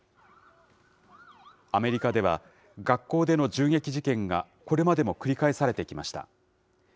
アメリカでは、学校での銃撃事件がこれまでも繰り返されてきました。